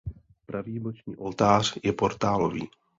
Pravý boční oltář je portálový.